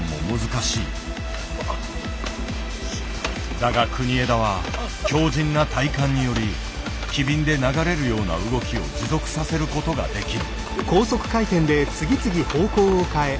だが国枝は強靱な体幹により機敏で流れるような動きを持続させることができる。